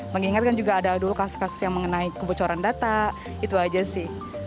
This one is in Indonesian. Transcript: mengingatkan juga ada dulu kasus kasus yang mengenai kebocoran data itu aja sih